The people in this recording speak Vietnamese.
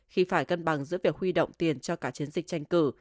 khi phải cân bằng giữa việc huy động tiền cho cả chiến dịch tranh cử